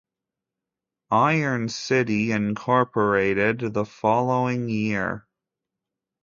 Iron City incorporated the following year.